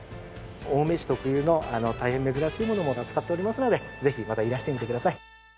青梅市特有の大変珍しいものも扱っておりますのでぜひまたいらしてみてください。